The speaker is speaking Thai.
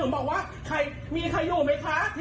กล้องหมู่กระทะไม่เป็นไร